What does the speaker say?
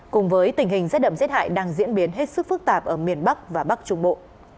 cùng với tình hình rét đậm rét hại đang diễn biến hết sức phức tạp ở miền bắc và bắc trung bộ